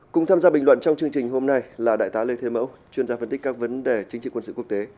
cùng tham gia bình luận trong chương trình hôm nay là đại tá lê thế mẫu chuyên gia phân tích các vấn đề chính trị quân sự quốc tế